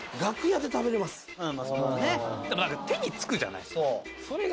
でも何か手に付くじゃないですかそれが。